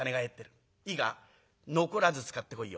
いいか残らず使ってこいよ。